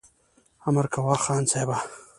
امر کوه خان صاحبه !